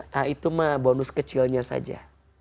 nah itu mah bonus kecilnya saja